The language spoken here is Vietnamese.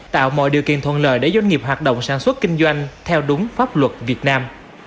tạo mọi điều kiện thuận lợi để doanh nghiệp hoạt động sản xuất kinh doanh theo đúng pháp luật việt nam